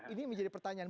ini menjadi pertanyaan